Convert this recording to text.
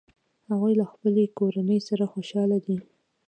هغوی له خپلې کورنۍ سره خوشحاله دي